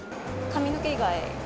髪の毛以外。